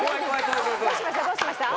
どうしました？